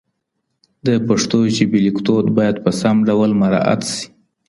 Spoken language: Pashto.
د پښتو ژبي لیکدود باید په سم ډول مراعت سي